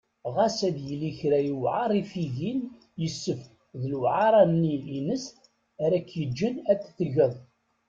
Ɣas ad yili kra yewεer i tigin, yessefk d lewεara-nni-ines ara k-yeǧǧen ad t-tgeḍ.